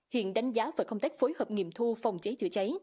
hiện đánh giá về công tác phối hợp nghiệm thu phòng cháy chữa cháy